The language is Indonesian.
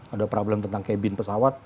ada problem tentang cabin pesawat